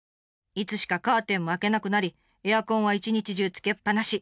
いつしかカーテンも開けなくなりエアコンは一日中つけっぱなし。